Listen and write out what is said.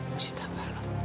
masih tak apa apa